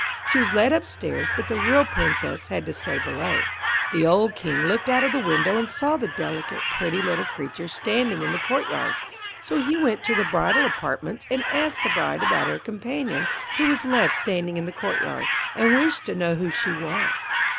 She was led upstairs, but the real Princess had to stay below. The old King looked out of the window and saw the delicate, pretty little creature standing in the courtyard; so he went to the bridal apartments and asked the bride about her companion, who was left standing in the courtyard, and wished to know who she was.